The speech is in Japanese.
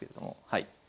はい。